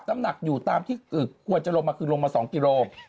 น้ำหนักอยู่ตามที่ควรจะลงมาคือลงมา๒กิโล